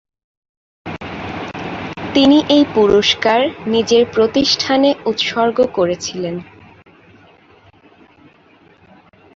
তিনি এই পুরস্কার নিজের প্রতিষ্ঠানে উৎসর্গ করেছিলেন।